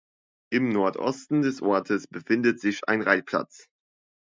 Im Nordosten des Ortes befindet sich ein Reitplatz.